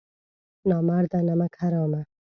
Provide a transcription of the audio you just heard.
نامرده نمک حرامه!